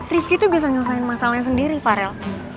rivki tuh biasa nyelesain masalahnya sendiri farel